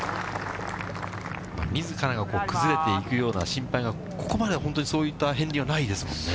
みずからが崩れていくような心配が、ここまでは本当にそういった片りんはないですもんね。